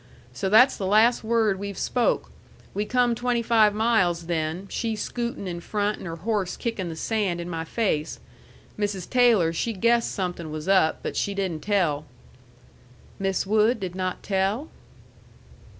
So that's the last word we've spoke. We come twenty five miles then, she scootin' in front, and her horse kickin' the sand in my face. Mrs. Taylor, she guessed something was up, but she didn't tell." "Miss Wood did not tell?"